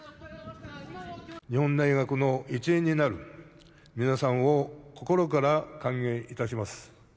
日本大学の一員になる皆さんを、心から歓迎いたします。